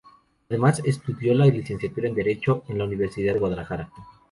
Además, estudió la licenciatura en Derecho, en la Universidad de Guadalajara.